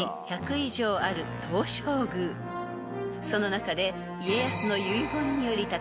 ［その中で］